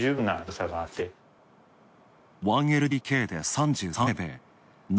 １ＬＤＫで３３平米。